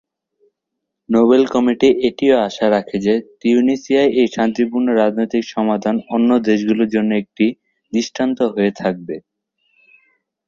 Nobel committee এটিও আশা রাখে যে, তিউনিসিয়ার এই শান্তিপূর্ণ রাজনৈতিক সমাধান অন্য দেশগুলোর জন্য একটি দৃষ্টান্ত হয়ে থাকবে।